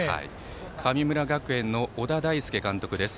神村学園の小田大介監督です。